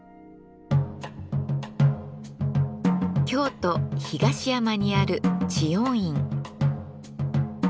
京都・東山にある知恩院。